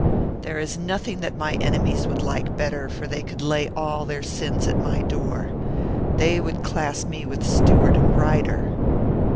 There is nothing that my enemies would like better, for they could lay all their sins at my door. They would class me with Stewart and Ryder."